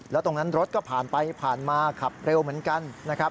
แล้วตรงนั้นรถก็ผ่านไปผ่านมาขับเร็วเหมือนกันนะครับ